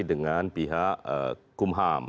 dengan pihak kumham